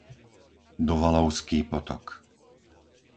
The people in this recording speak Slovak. Dovalovský potok